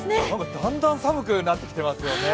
だんだん寒くなってきていますよね。